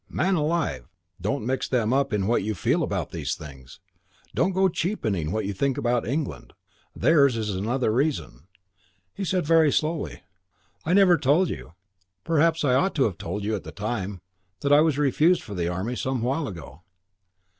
Man alive, don't mix them up in what you feel about these things. Don't go cheapening what you think about England. Theirs is another reason." He said very slowly, "I never told you, perhaps I ought to have told you at the time, that I was refused for the Army some while ago."